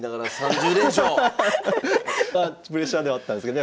あのプレッシャーではあったんですけどね